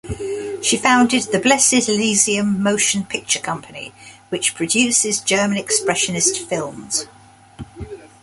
She founded the Blessed Elysium Motion Picture Company, which produces German Expressionist films.